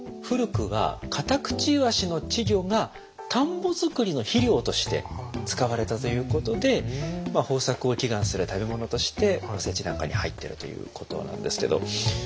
古くはカタクチイワシの稚魚が田んぼづくりの肥料として使われたということで豊作を祈願する食べ物としておせちなんかに入ってるということなんですけど。